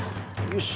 よし！